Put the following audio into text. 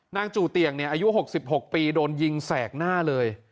จู่เตียงอายุ๖๖ปีโดนยิงแสกหน้าเลย